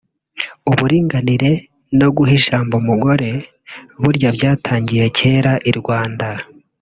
Uburinganire no guha ijambo umugore burya byatangiye kera i Rwanda